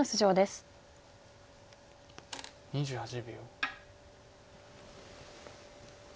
２８秒。